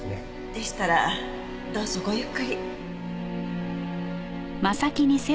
でしたらどうぞごゆっくり。